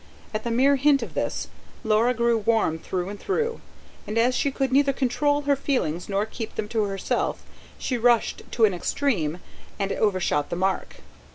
At the mere hint of this, Laura grew warm through and through; and as she could neither control her feelings nor keep them to herself, she rushed to an extreme and overshot the mark.